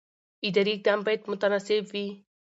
اداري اقدام باید متناسب وي.